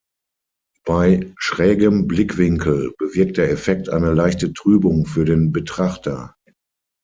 Bei schrägem Blickwinkel bewirkt der Effekt eine leichte Trübung für den Betrachter.